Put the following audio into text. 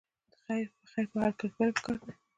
خیر په هر کار کې ولې پکار دی؟